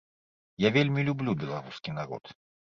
Я вельмі люблю беларускі народ.